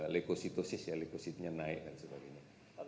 lekositosis ya lekosisnya naik dan sebagainya